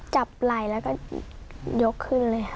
จับไหล่แล้วก็ยกขึ้นเลยค่ะ